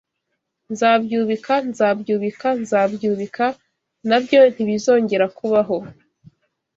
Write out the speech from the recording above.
Nzabyubika nzabyubika nzabyubika na byo ntibizongera kubaho